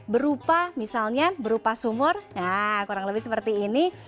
berupa misalnya berupa sumur nah kurang lebih seperti ini